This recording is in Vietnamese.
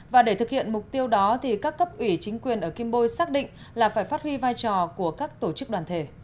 và để thực hiện mục tiêu đó thì các cấp ủy chính quyền ở kim bôi xác định là phải phát huy vai trò của các tổ chức đoàn thể